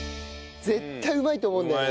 絶対うまいと思うんだよね。